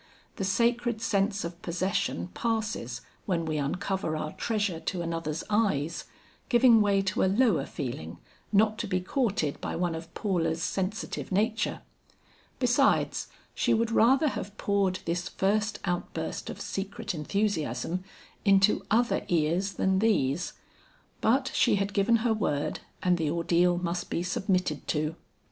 The sacred sense of possession passes when we uncover our treasure to another's eyes, giving way to a lower feeling not to be courted by one of Paula's sensitive nature. Besides she would rather have poured this first outburst of secret enthusiasm into other ears than these; but she had given her word and the ordeal must be submitted to.